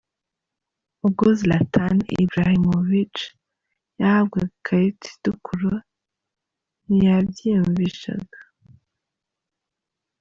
Ubwo Zlatan Ibrahimovic yahabwaga ikarita itukura ntiyabyiyumvishaga.